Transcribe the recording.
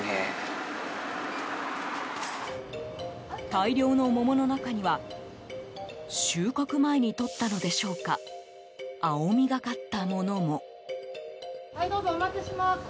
大量の桃の中には収穫前にとったのでしょうか青みがかったものも。